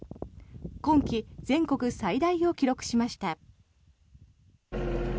今季全国最大を記録しました。